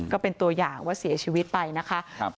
ก็เป็นตัวอย่างว่าเสียชีวิตไปนะคะ